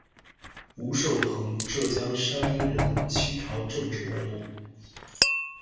吴寿朋，浙江山阴人，清朝政治人物。